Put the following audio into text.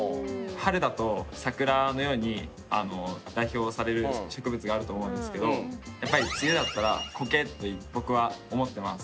春だと桜のように代表される植物があると思うんですけどやっぱり梅雨だったらコケって僕は思ってます。